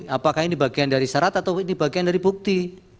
apakah ini bagian dari syarat atau ini bagian dari bukti